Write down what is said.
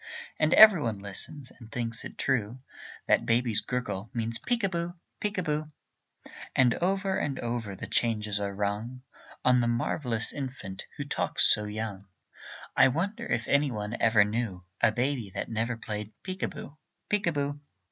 And every one listens, and thinks it true That baby's gurgle means "Peek a boo, peek a boo"; And over and over the changes are rung On the marvellous infant who talks so young. I wonder if any one ever knew A baby that never played peek a boo, peek a boo.